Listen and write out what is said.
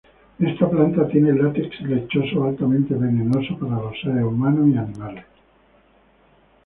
Esta planta tiene látex lechoso altamente venenoso para los seres humanos y animales.